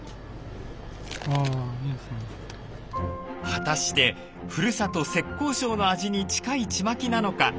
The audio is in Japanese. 果たしてふるさと浙江省の味に近いチマキなのか？